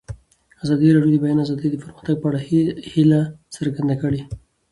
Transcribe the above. ازادي راډیو د د بیان آزادي د پرمختګ په اړه هیله څرګنده کړې.